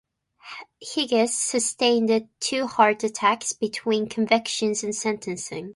Higgins sustained two heart attacks between conviction and sentencing.